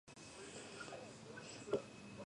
თავად არენა შედგება ორი ნაწილისაგან.